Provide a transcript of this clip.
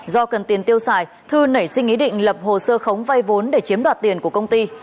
do cần tiền tiêu xài thư nảy sinh ý định lập hồ sơ khống vay vốn để chiếm đoạt tiền của công ty